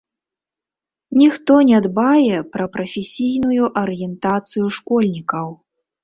Ніхто не дбае пра прафесійную арыентацыю школьнікаў.